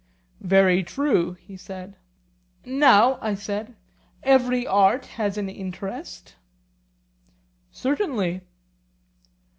Very true, he said. Now, I said, every art has an interest? Certainly.